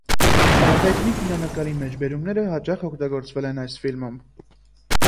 Այդ հայտնի կինոնկարի մեջբերումները հաճախ օգտագործվել են այս ֆիլմում։